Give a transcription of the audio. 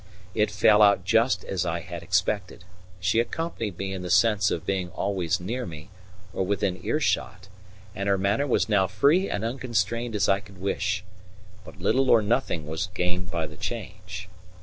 It fell out just as I had expected; she accompanied me in the sense of being always near me, or within earshot, and her manner was now free and unconstrained as I could wish; but little or nothing was gained by the change.